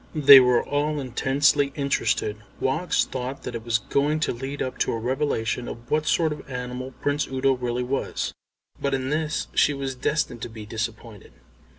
They were all intensely interested. Woggs thought that it was going to lead up to a revelation of what sort of animal Prince Udo really was, but in this she was destined to be disappointed.